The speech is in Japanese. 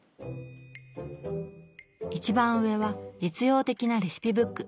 一番上は実用的なレシピブック。